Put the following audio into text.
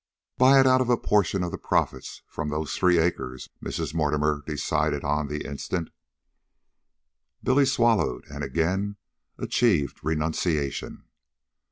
"Buy it out of a portion of the profits from those three acres," Mrs. Mortimer decided on the instant. Billy swallowed, and again achieved renunciation.